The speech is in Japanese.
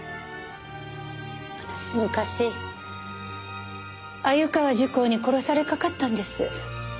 私昔鮎川珠光に殺されかかったんです。